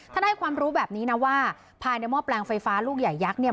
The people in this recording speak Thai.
ให้ความรู้แบบนี้นะว่าภายในหม้อแปลงไฟฟ้าลูกใหญ่ยักษ์เนี่ย